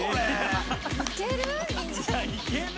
いけるの？